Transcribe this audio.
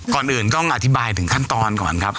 ก่อนอื่นต้องอธิบายถึงขั้นตอนก่อนครับ